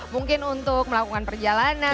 mungkin untuk melakukan perjalanan